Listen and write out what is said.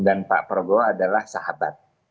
dan pak prabowo adalah sahabat